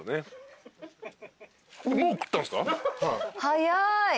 早い。